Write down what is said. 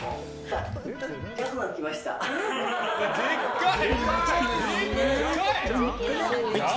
でっかい！